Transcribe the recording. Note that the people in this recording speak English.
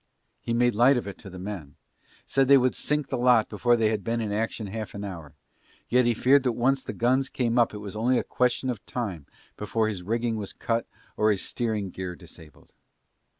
He made light of it to the men: said they would sink the lot before they had been in action half an hour: yet he feared that once the guns came up it was only a question of time before his rigging was cut or his steering gear disabled.